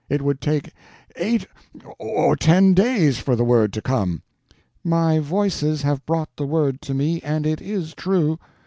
It would take eight or ten days for the word to come." "My Voices have brought the word to me, and it is true.